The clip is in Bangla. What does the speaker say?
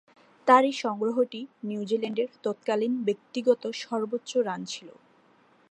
তার এ সংগ্রহটি নিউজিল্যান্ডের তৎকালীন ব্যক্তিগত সর্বোচ্চ রান ছিল।